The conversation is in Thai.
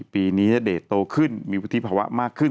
ปีนี้ณเดชน์โตขึ้นมีวุฒิภาวะมากขึ้น